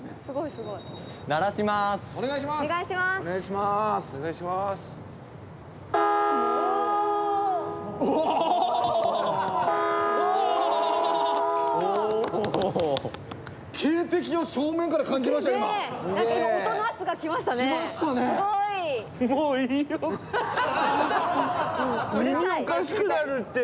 すごい！耳おかしくなるって。